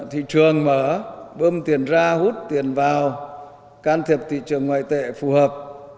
thị trường mở bơm tiền ra hút tiền vào can thiệp thị trường ngoại tệ phù hợp